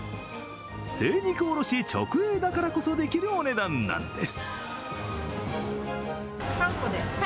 精肉卸直営だからこそできるお値段なんです。